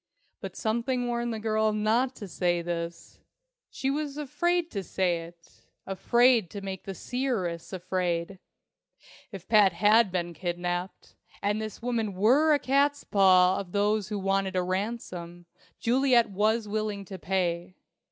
But something warned the girl not to say this. She was afraid to say it afraid to make the seeress afraid! If Pat had been kidnapped, and this woman were a catspaw of those who wanted a ransom, Juliet was willing to pay.